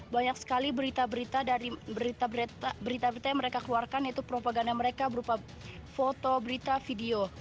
banyak sekali berita berita yang mereka keluarkan yaitu propaganda mereka berupa foto berita video